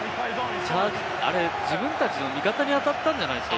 あれ、自分たちの味方に当たったんじゃないですか？